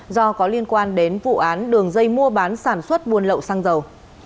do có liên quan đến vụ án đường dây mua bán sản xuất buôn lậu xăng dầu